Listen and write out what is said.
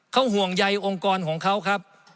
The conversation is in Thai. เขาห่วงใยองค์กรของเขาครับ